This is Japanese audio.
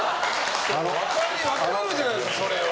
分かるじゃないですか、それは。